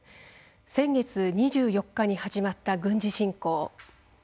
先月２４日に始まった軍事侵攻。